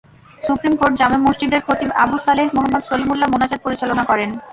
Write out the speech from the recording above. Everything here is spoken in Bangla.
সুপ্রিম কোর্ট জামে মসজিদের খতিব আবু সালেহ মোহাম্মদ সলিমুল্লাহ মোনাজাত পরিচালনা করেন।